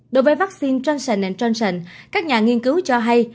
đối với vaccine johnson johnson các nhà nghiên cứu cho hay